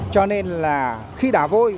cho nên là khi đà vôi